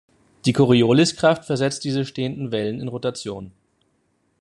Die Corioliskraft versetzt diese stehenden Wellen in Rotation.